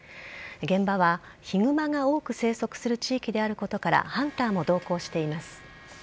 現場はヒグマが多く生息する地域であることからハンターも同行しています。